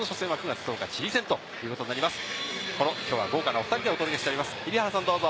きょうは豪華なお２人でお届けしております。